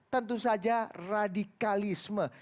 tentu saja radikalisme